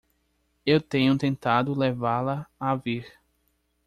Eu tenho tentado levá-la a vir.